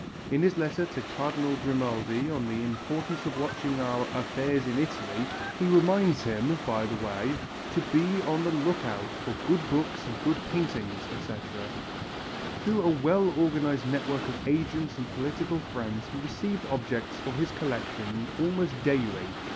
In his letter to Cardinal Grimaldi on the importance of watching our "affairs in Italy" he reminds him, by the way, to be on the look out for good books and good paintings, etc. Through a well organized network of agents and political friends he received objects for his collection almost daily.